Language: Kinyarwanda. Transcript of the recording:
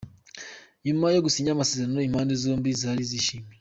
Nyuma yo gusinya amasezerano impande zombi zari zishimye.